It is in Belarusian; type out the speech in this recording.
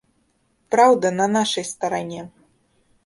Праўда на нашай старане!